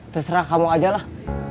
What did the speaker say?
terserah kamu aja lah